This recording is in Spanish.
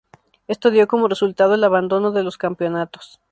Esto dio como resultado el abandono de los campeonatos.